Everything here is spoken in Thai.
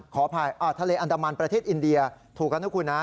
ขออภัยทะเลอันดามันประเทศอินเดียถูกแล้วนะคุณนะ